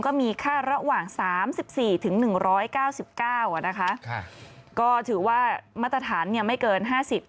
ก็มีค่าระหว่าง๓๔๑๙๙ก็ถือว่ามาตรฐานไม่เกิน๕๐